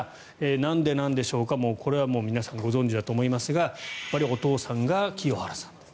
なんでなんでしょうかこれはもう皆さんご存じだと思いますがお父さんが清原さんと。